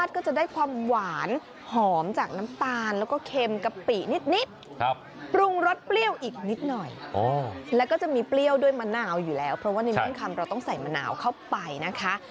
แล้วก็จะมีเปรี้ยวด้วยมะนาวอยู่แล้วเพราะว่าในเมี่ยงคำเราต้องใส่มะนาวเข้าไปนะคะ